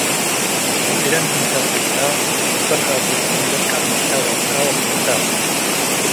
ወእለ'ን ክምሰል ቤለ፡ እበ ካብ ልቡ እንዶ ትቀመ'ሸ ወድቀ ወሞተ።